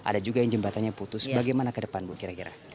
ada juga yang jembatannya putus bagaimana ke depan bu kira kira